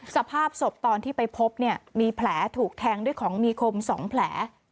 สภาพศพตอนที่ไปพบเนี่ยมีแผลถูกแทงด้วยของมีคม๒แผล